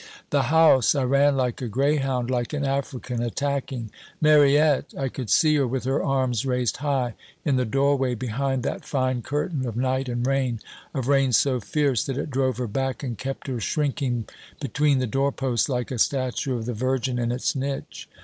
"The house! I ran like a greyhound like an African attacking. Mariette! I could see her with her arms raised high in the doorway behind that fine curtain of night and rain of rain so fierce that it drove her back and kept her shrinking between the doorposts like a statue of the Virgin in its niche.